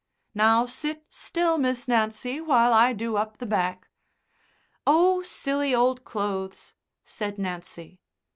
"Now sit still, Miss Nancy, while I do up the back." "Oh, silly old clothes!" said Nancy.